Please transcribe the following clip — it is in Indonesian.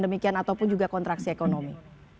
demikian ataupun juga kontraksi ekonomi